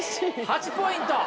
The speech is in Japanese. ８ポイント。